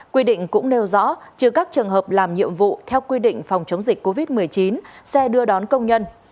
quy định cũng nêu rõ trừ các trường hợp làm nhiệm vụ theo quy định phòng chống dịch covid một mươi chín xe đưa đón công nhân